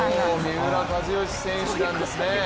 三浦知良選手なんですね。